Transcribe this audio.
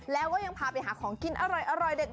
แล้วก็ยังพาไปหาของกินอร่อยเด็ด